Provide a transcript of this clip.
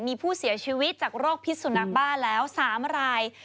มีผู้เสียชีวิตจากโรคพิษสุนัขบ้าแล้ว๓ราย